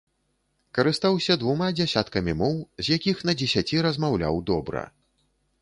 Карыстаўся двума дзясяткамі моў, з якіх на дзесяці размаўляў добра.